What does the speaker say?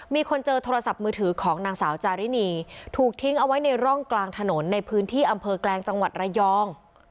มีคนเจอโทรศัพท์มือถือของนางสาวจารินีถูกทิ้งเอาไว้ในร่องกลางถนนในพื้นที่อำเภอแกลงจังหวัดระยอง